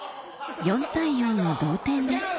４対４の同点です